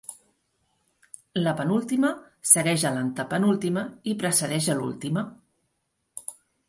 La penúltima segueix a l'antepenúltima, i precedeix a l'última.